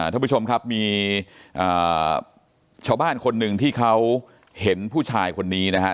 ท่านผู้ชมครับมีชาวบ้านคนหนึ่งที่เขาเห็นผู้ชายคนนี้นะฮะ